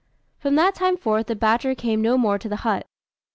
From that time forth the badger came no more to the hut.